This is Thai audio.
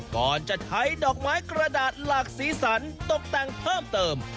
ก่อนจะใช้ดอกไม้กระดาษหลากสีสันตกแต่งเพิ่มเติม